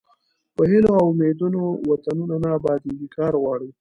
په هیلو او امیدونو وطنونه نه ابادیږي کار غواړي.